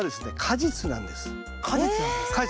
果実なんですか？